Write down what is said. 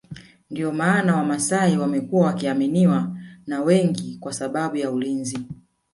Ndio maana wamasai wamekuwa wakiaminiwa na wengi kwa sababu ya ulinzi